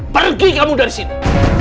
pergi kamu dari sini